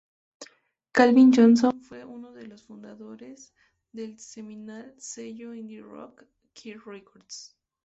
Calvin Johnson fue uno de los fundadores del seminal sello indie-rock "K Records.